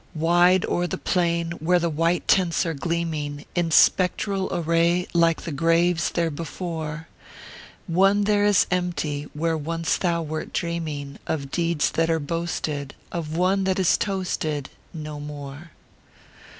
Wide o er tho plain, where tho white tents are gleaming, In spectral array, like tho graves they re before One there is empty, where once thou wort dreaming Of deeds that are boasted, of One that is toasted No more.